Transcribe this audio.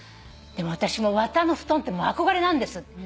私綿の布団って憧れなんです。